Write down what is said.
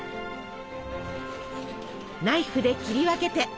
ナイフで切り分けて。